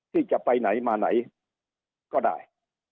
ที่จะไปไหนมาไหนก็ได้